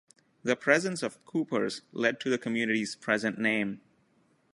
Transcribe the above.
The presence of coopers led to the community's present name.